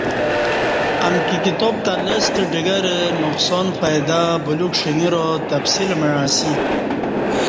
امکی کتاب تہ لستہ ڈگر ،نقصان فائدہ بلیوک ݜنݣرا تفصیل مع اسی